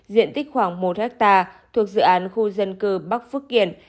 diện tích khoảng một ha thuộc dự án khu dân cư bắc phước kiển